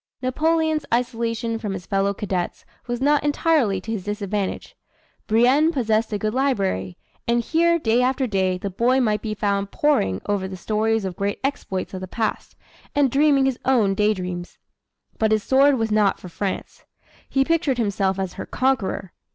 Napoleon's isolation from his fellow cadets was not entirely to his disadvantage. Brienne possessed a good library, and here day after day the boy might be found poring over the stories of great exploits of the past, and dreaming his own day dreams. But his sword was not for France. He pictured himself as her conqueror!